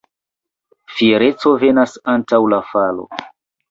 Fiereco venas antaŭ la falo.